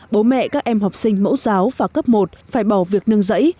bố mẹ các em học sinh mẫu giáo và cấp một phải bỏ việc nâng giấy